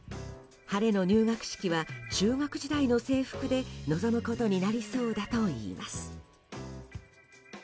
晴れの入学式は中学時代の制服で臨むことになりそうだといいます。